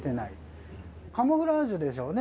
カムフラージュでしょうね。